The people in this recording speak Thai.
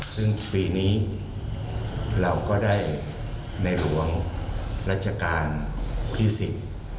ซึ่งปีนี้เราก็ได้ในหลวงรัชกาลที่สิบ